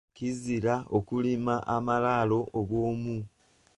Kizira okulima amalaalo obwomu.